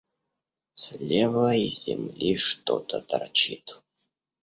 Слева из земли что-то торчит.